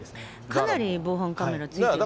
かなり防犯カメラ、ついてますよね。